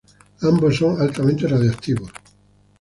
Ambos son altamente radioactivos.